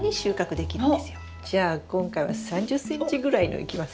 じゃあ今回は３０ｃｍぐらいのいきます？